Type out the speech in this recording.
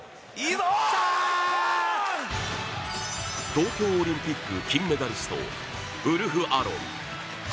東京オリンピック金メダリストウルフアロン。